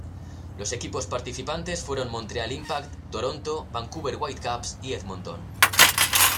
Los equipos participantes fueron Montreal Impact, Toronto, Vancouver Whitecaps y Edmonton.